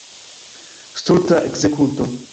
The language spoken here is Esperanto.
Stulta ekzekuto!